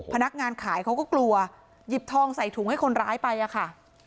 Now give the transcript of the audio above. พนักงานขายเขาก็กลัวหยิบทองใส่ถุงให้คนร้ายไปอะค่ะ